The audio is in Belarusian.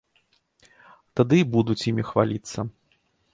Тады і будуць імі хваліцца.